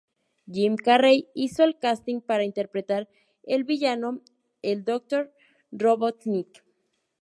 Jim Carrey hizo el casting para interpretar el villano, el Dr. Robotnik.